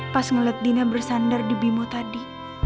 pas ngeliat dina bersandar di bimo tadi